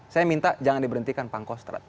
saya minta jangan diberhentikan pangkostrat